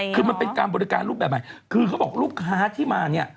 คือมันเป็นการบริการรูปแบบใหม่คือเขาบอกลูกค้าที่มาเนี่ย